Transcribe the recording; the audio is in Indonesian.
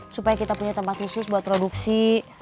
supaya kita punya tempat khusus buat produksi